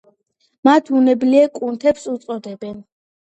მათ უნებლიე კუნთებს უწოდებენ.